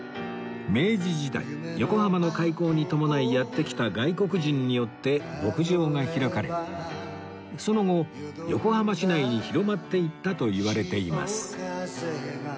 明治時代横浜の開港に伴いやって来た外国人によって牧場が開かれその後横浜市内に広まっていったといわれています